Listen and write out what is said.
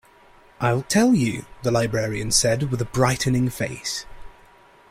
I'll tell you, the librarian said with a brightening face.